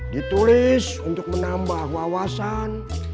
ditulis untuk menambah wawasan